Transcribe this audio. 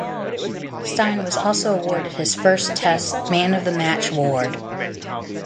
Steyn was also awarded his first Test Man-of-the-Match award.